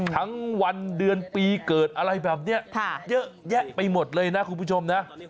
ทั้งวันเดือนปีเกิดอะไรแบบนี้เยอะแยะไปหมดเลยนะคุณผู้ชมนะ